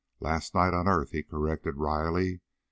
Last night on earth, he corrected wryly.